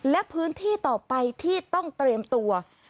และพื้นที่ต่อไปที่ต้องเตรียมตัว